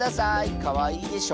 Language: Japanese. かわいいでしょ。